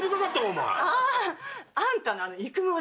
ああ。あんたの育毛剤